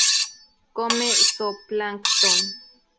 Come zooplancton.